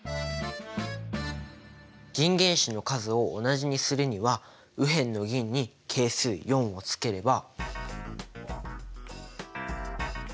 銀原子の数を同じにするには右辺の銀に係数４をつければ。